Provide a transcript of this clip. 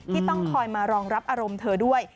ที่ต้องคอยมารองรับอารมณ์เธอด้วย